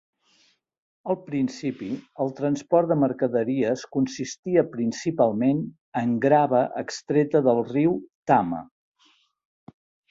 Al principi, el transport de mercaderies consistia principalment en grava extreta del riu Tama.